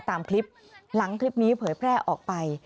ตามคลิปหลังคลิปนี้เผยแพร่ออกไป